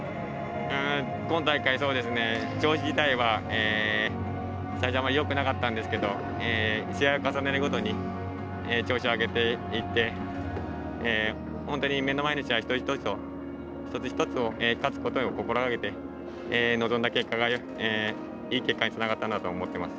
今大会、調子自体は最初はあまりよくなかったんですが試合を重ねるごとに調子を上げていって本当に目の前の一つ一つを勝つことを心がけて臨んだ結果がいい結果につながったんだと思います。